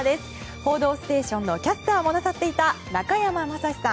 「報道ステーション」のキャスターもなさっていた中山雅史さん。